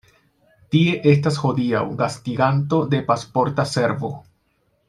Tie estas hodiaŭ gastiganto de Pasporta Servo.